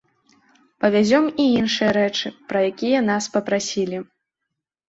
Павязём і іншыя рэчы, пра якія нас папрасілі.